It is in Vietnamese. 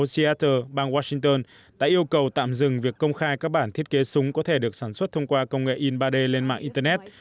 seattle bang washington đã yêu cầu tạm dừng việc công khai các bản thiết kế súng có thể được sản xuất thông qua công nghệ in ba d lên mạng internet